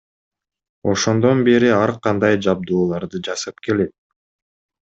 Ошондон бери ар кандай жабдууларды жасап келет.